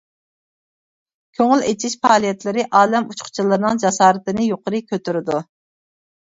كۆڭۈل ئېچىش پائالىيەتلىرى ئالەم ئۇچقۇچىلىرىنىڭ جاسارىتىنى يۇقىرى كۆتۈرىدۇ.